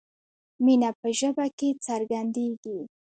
مینه په ژبه کې څرګندیږي.